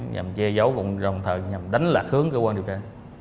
nhằm che giấu dòng thờ nhằm đánh lạc hướng cơ quan điều tra